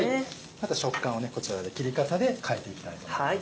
また食感をねこちらで切り方で変えていきたいと思ってます。